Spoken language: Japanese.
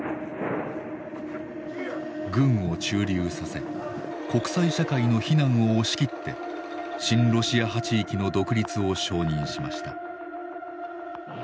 軍を駐留させ国際社会の非難を押し切って親ロシア派地域の独立を承認しました。